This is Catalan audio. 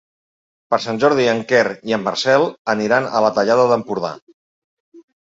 Per Sant Jordi en Quer i en Marcel aniran a la Tallada d'Empordà.